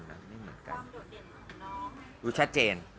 ดูแบบโจทย์เด่นของน้อง